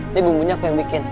ini bumbunya aku yang bikin